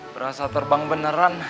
berasa terbang beneran